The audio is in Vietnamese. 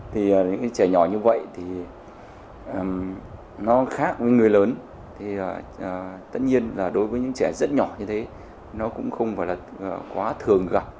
trẻ nhỏ như vậy nó khác với người lớn tất nhiên đối với những trẻ rất nhỏ như thế